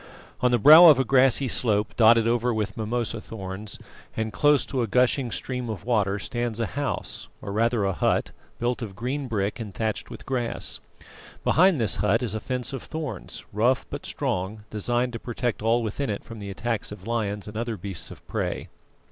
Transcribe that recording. On the brow of a grassy slope dotted over with mimosa thorns, and close to a gushing stream of water, stands a house, or rather a hut, built of green brick and thatched with grass. Behind this hut is a fence of thorns, rough but strong, designed to protect all within it from the attacks of lions and other beasts of prey.